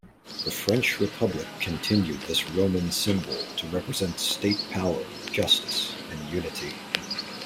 The French Republic continued this Roman symbol to represent state power, justice, and unity.